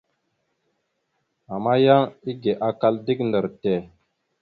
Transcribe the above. Ama yan ege akal dik ndar tte.